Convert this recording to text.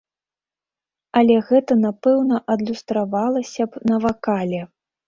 Але гэта напэўна адлюстравалася б на вакале.